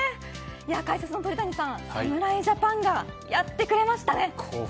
解説の鳥谷さん侍ジャパンがやってくれました。